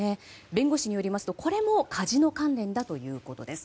弁護士によりますとこれもカジノ関連だということです。